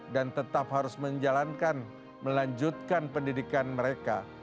dan tetap harus menjalankan melanjutkan pendidikan mereka